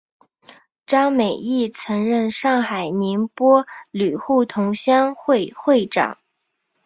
张美翊曾任上海宁波旅沪同乡会会长。